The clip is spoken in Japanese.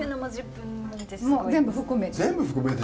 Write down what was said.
全部含めて。